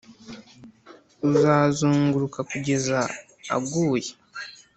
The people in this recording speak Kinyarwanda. azazunguruka kugeza aguye. '